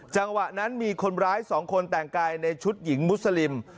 จังหวะนั้นมีคนร้าย๒คนแต่งกายในชุดหญิงมุสลิม